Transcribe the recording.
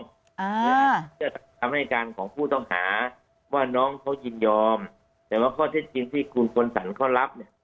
เพื่อคำให้การของผู้ต้องหาว่าน้องเขายินยอมแต่ว่าข้อเท็จจริงที่คุณคลสรรเขารับเนี่ย